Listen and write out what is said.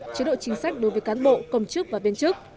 chế độ chính sách đối với cán bộ công chức và viên chức